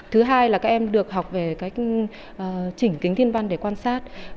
thứ hai là các em được học về cách chỉnh kính thiên văn để quan sát